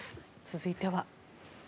続いては。